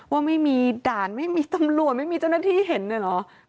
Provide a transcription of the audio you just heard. ว่าไม่มีด่านไม่มีตำรวจไม่มีเจ้าหน้าที่เห็นเลยเหรอ